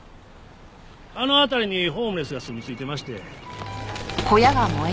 あの辺りにホームレスが住み着いてまして。